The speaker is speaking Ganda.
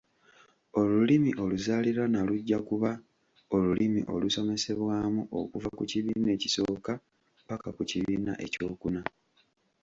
Olulimi oluzaaliranwa lujja kuba olulimi olusomesebwamu okuva ku kibiina ekisooka ppaka ku kibiina ekyokuna.